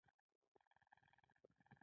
ټول مشران ونیول شول.